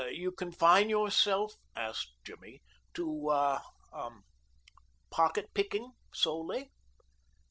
"You confine yourself," asked Jimmy, "to er ah pocket picking solely?"